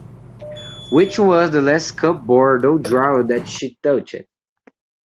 Which was the last cupboard or drawer that she touched?